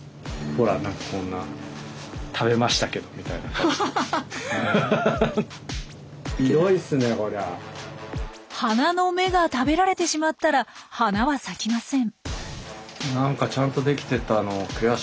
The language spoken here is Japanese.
犯人は花の芽が食べられてしまったら花は咲きません。